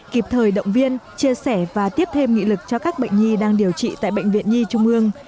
kịp thời động viên chia sẻ và tiếp thêm nghị lực cho các bệnh nhi đang điều trị tại bệnh viện nhi trung ương